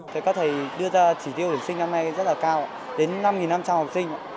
thầy các thầy đưa ra chỉ tiêu tuyển sinh năm nay rất là cao đến năm năm trăm linh học sinh